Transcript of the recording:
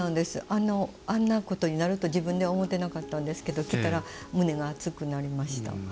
あんなことになると自分では思ってなかったんですが着たら胸が熱くなりました。